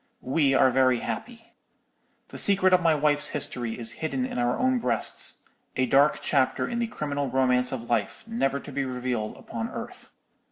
"We are very happy. The secret of my wife's history is hidden in our own breasts—a dark chapter in the criminal romance of life, never to be revealed upon earth.